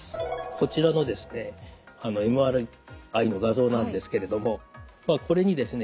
こちらのですねＭＲＩの画像なんですけれどもこれにですね